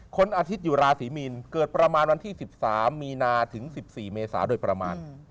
คนอาทิตย์อยู่ราศีมีนเกิดประมาณวันที่๑๓มีนาถึง๑๔เมษาโดยประมาณ